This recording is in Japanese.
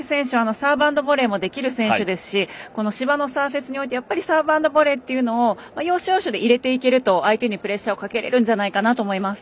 サーブアンドボレーもできる選手ですし芝のサーフェスにおいてサーブアンドボレーというのを要所要所で入れていけると相手にプレッシャーをかけられるんじゃないかなと思います。